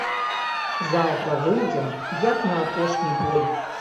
Заўтра выйдзем, як на апошні бой.